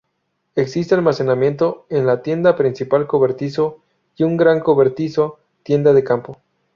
Existe almacenamiento en la tienda principal cobertizo y un gran cobertizo tienda de campo.